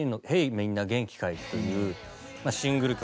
みんな元気かい？」というシングル曲。